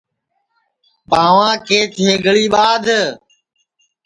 پاواں کے تھیگݪی ٻادھ